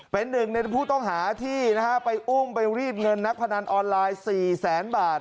เป็นหนึ่งในผู้ต้องหาที่ไปอุ้มไปรีดเงินนักพนันออนไลน์๔แสนบาท